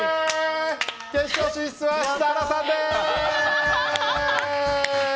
決勝進出は設楽さんです！